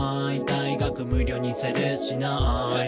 「大学無料にする？しない？」